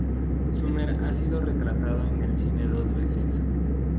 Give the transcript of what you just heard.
Sumner ha sido retratado en el cine dos veces.